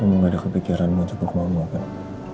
kamu gak ada kepikiran mau cukup mama or camera